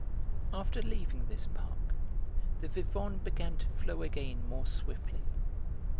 After leaving this park the Vivonne began to flow again more swiftly.